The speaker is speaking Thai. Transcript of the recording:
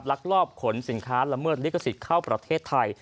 ลักลอบขนสินค้าละเมิดลิขสิทธิ์เข้าประเทศไทย